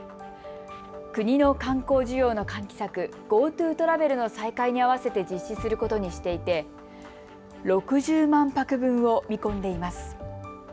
国の観光需要の喚起策、ＧｏＴｏトラベルの再開に合わせて実施することにしていて６０万泊分を見込んでいます。